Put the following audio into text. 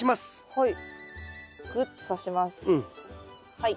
はい。